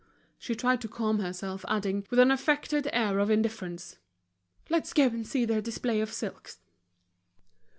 She tried to calm herself, adding, with an affected air of indifference: "Let's go and see their display of silks."